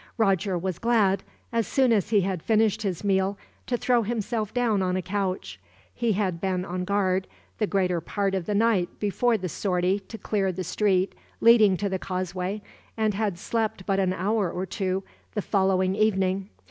Roger was glad, as soon as he had finished his meal, to throw himself down on a couch. He had been on guard, the greater part of the night before the sortie to clear the street leading to the causeway, and had slept but an hour or two, the following evening.